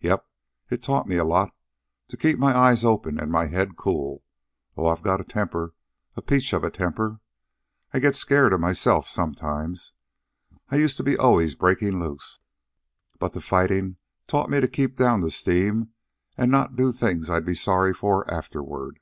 Yep, it's taught me a lot to keep my eyes open an' my head cool. Oh, I've got a temper, a peach of a temper. I get scared of myself sometimes. I used to be always breakin' loose. But the fightin' taught me to keep down the steam an' not do things I'd be sorry for afterward."